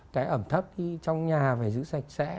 cái ẩm thấp trong nhà phải giữ sạch sẽ